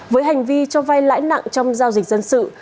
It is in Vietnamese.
với hành vi cho vai lãi nặng trong giao dịch dân sự